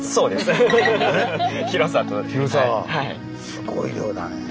すごい量だね。